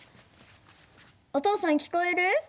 お父さん聞こえる？